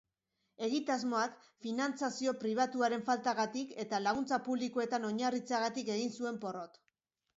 Egitasmoak finantzazio pribatuaren faltagatik eta laguntza publikoetan oinarritzeagatik egin zuen porrot.